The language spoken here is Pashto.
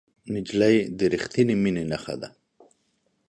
نجلۍ د رښتینې مینې نښه ده.